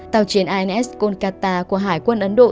tàu chiến ins kolkata của hải quân ấn độ